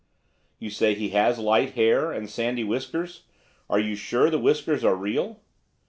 'You say he has light hair, and sandy whiskers. Are you sure the whiskers are real?